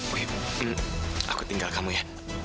wih aku tinggal kamu ya